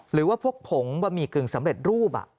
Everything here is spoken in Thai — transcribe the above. หรือว่าพวกผงบะหมี่กึ่งสำเร็จรูป